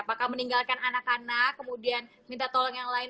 apakah meninggalkan anak anak kemudian minta tolong yang lain